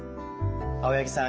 青柳さん